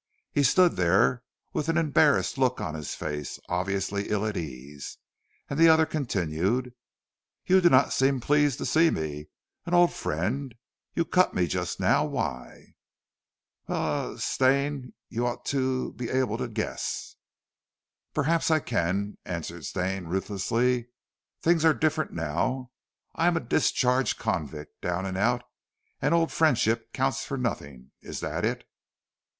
He stood there with an embarrassed look on his face, obviously ill at ease, and the other continued: "You do not seem pleased to see me an old friend you cut me just now. Why?" "Well er really, Stane you you ought to er be able to guess!" "Perhaps I can," answered Stane ruthlessly. "Things are different now. I am a discharged convict, down and out, and old friendship counts for nothing. Is that it?"